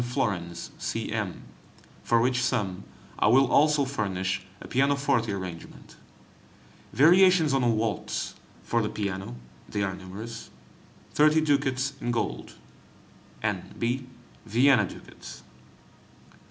[20 florins to the mark], for which sum I will also furnish a pianoforte arrangement. Variations on a waltz [Diabelli's] for the piano (they are numerous), 30 ducats in gold, N.B. Vienna ducats.